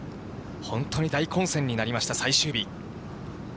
本当に大混戦になりました、最終日。